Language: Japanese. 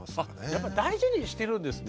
やっぱ大事にしてるんですね。